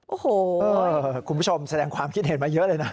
โอ้โหคุณผู้ชมแสดงความคิดเห็นมาเยอะเลยนะ